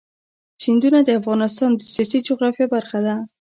سیندونه د افغانستان د سیاسي جغرافیه برخه ده.